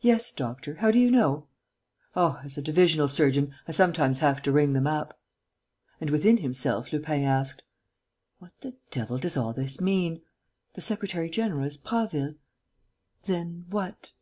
"Yes, doctor.... How do you know?" "Oh, as a divisional surgeon, I sometimes have to ring them up." And, within himself, Lupin asked: "What the devil does all this mean? The secretary general is Prasville.... Then, what?..."